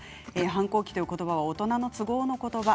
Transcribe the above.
反抗期ということばは大人の都合のことば。